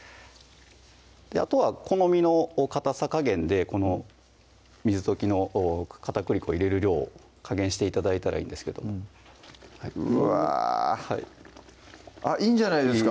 あとは好みのかたさ加減で水溶きの片栗粉入れる量を加減して頂いたらいいんですけどもうわいいんじゃないですか？